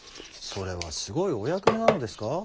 それはすごいお役目なのですか？